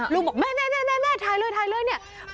ลูกบอกแม่แม่แม่แม่ท้ายเรื่อยท้ายเรื่อยเนี่ย